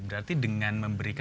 berarti dengan cepat kepada